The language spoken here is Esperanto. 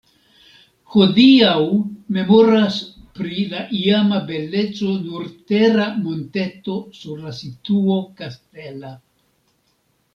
Hodiaŭ memoras pri la iama beleco nur tera monteto sur la situo kastela.